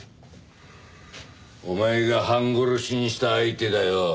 お前が半殺しにした相手だよ。